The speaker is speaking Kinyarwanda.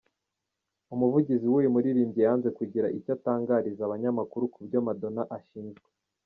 Umuvugizi w’uyu muririmbyi yanze kugira icyo atangariza abanyamakuru kubyo Madonna ashinjwa.